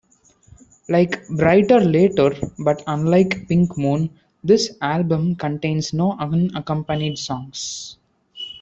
Like "Bryter Layter" but unlike "Pink Moon", this album contains no unaccompanied songs.